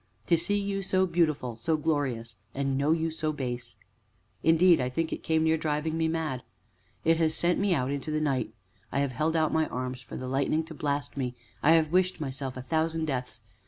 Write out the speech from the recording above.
To see you so beautiful, so glorious, and know you so base! Indeed, I think it came near driving me mad. It has sent me out into the night; I have held out my arms for the lightning to blast me; I have wished myself a thousand deaths.